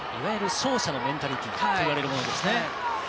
勝者のメンタルといわれるものですね。